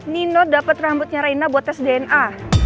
nino dapet rambutnya reina buat tes dna